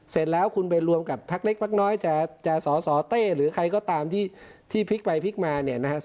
เสร็จแล้วคุณไปรวมกับพักเล็กพักน้อยจะสสเต้หรือใครก็ตามที่พลิกไปพลิกมาเนี่ยนะฮะ